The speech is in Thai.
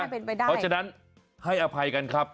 เพราะฉะนั้นให้อภัยกันครับ